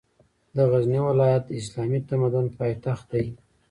د غزني ولایت د اسلامي تمدن پاېتخت ده